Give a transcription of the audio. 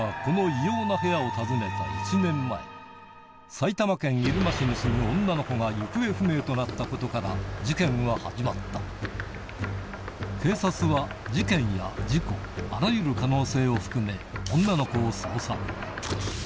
埼玉県入間市に住む女の子が行方不明となったことから事件は始まった警察は事件や事故あらゆる可能性を含め女の子を捜索